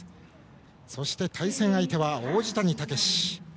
そして対戦相手は王子谷剛志。